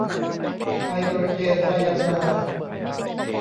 ไฮโดรเจนไซยาไนด์